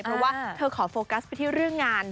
เพราะว่าเธอขอโฟกัสไปที่เรื่องงาน